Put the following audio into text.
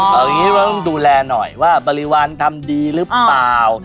ต้องดูแลหน่อยว่าบริวารทำดีหรือเปล่า